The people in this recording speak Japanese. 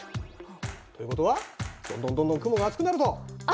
ということはどんどんどんどん雲が厚くなると？